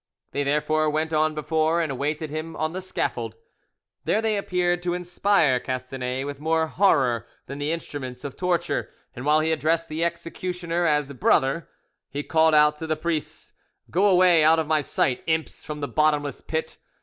They therefore went on before, and awaited him on the scaffold. There they appeared to inspire Castanet with more horror than the instruments of torture, and while he addressed the executioner as "brother," he called out to the priests, "Go away out of my sight, imps from the bottomless pit!